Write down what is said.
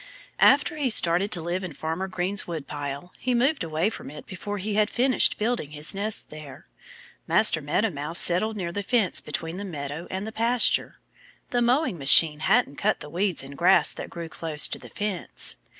After he started to live in Farmer Green's woodpile, but moved away from it before he had finished building his nest there, Master Meadow Mouse settled near the fence between the meadow and the pasture. The mowing machine hadn't cut the weeds and grass that grew close to the fence.